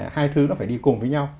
hai thứ nó phải đi cùng với nhau